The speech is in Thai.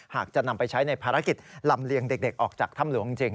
หากจะนำไปใช้ในภารกิจลำเลียงเด็กออกจากถ้ำหลวงจริง